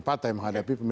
kita tidak bisa dipecat